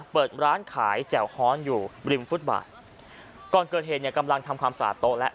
เปิดร้านขายแจ่วฮ้อนอยู่ริมฟุตบาทก่อนเกิดเหตุเนี่ยกำลังทำความสะอาดโต๊ะแล้ว